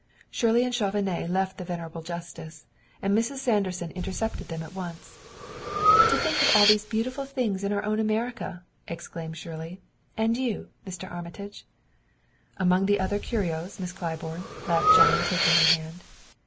Shirley and Chauvenet left the venerable Justice, and Mrs. Sanderson intercepted them at once. "To think of all these beautiful things in our own America!" exclaimed Shirley. "And you, Mr. Armitage, " "Among the other curios, Miss Claiborne," laughed John, taking her hand.